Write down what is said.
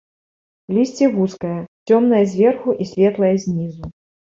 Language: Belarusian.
Лісце вузкае, цёмнае зверху і светлае знізу.